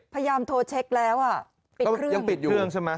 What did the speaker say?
พยายามโทรเช็กแล้วปิดเครื่อง